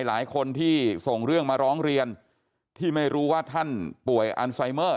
หลายคนที่ส่งเรื่องมาร้องเรียนที่ไม่รู้ว่าท่านป่วยอันไซเมอร์